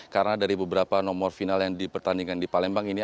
karena dari beberapa nomor final yang dipertandingkan di palembang ini